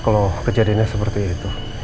kalau kejadiannya seperti itu